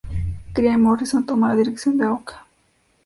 Craig Morrison toma la dirección de "AoC".